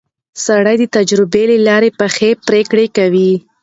سړی د تجربې له لارې پخې پرېکړې کوي